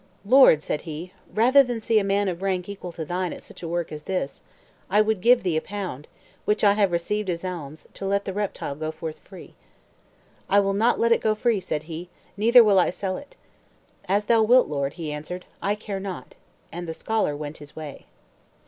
"Lord," said he, "rather than see a man of rank equal to thine at such a work as this, I would give thee a pound, which I have received as alms, to let the reptile go forth free." "I will not let it go free," said he, "neither will I sell it." "As thou wilt, lord," he answered; "I care naught." And the scholar went his way.